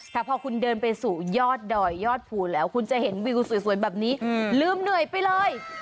แต่พอคุณเดินไปสู่ยอดดอยยอดภูแล้วคุณจะเห็นวิวสวยแบบนี้ลืมเหนื่อยไปเลย